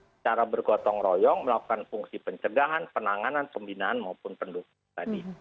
secara bergotong royong melakukan fungsi pencegahan penanganan pembinaan maupun pendukung tadi